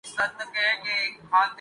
katakana